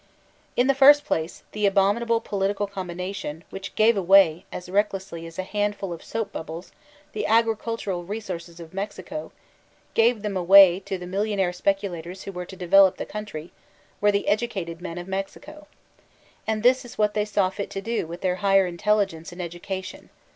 In the first place, the abominable political combina tion, which gave away, as recklessly as a handful of soap bubbles, the agricultural resources of Mexico — gave them away to the millionaire speculators who were to develop the eouniry — were the educated men of Mexico. And thb b what they saw fit to do with their higher intelli gence and education.